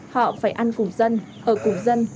họ phải ăn cùng dân ở cùng dân